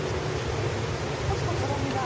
少しとろみが。